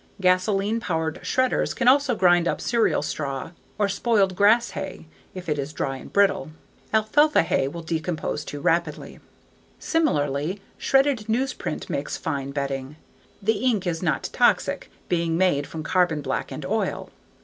Gasoline powered shredders can also grind up cereal straw or spoiled grass hay (if it is dry and brittle). Alfalfa hay will decompose too rapidly. Similarly, shredded newsprint makes fine bedding. The ink is not toxic, being made from carbon black and oil.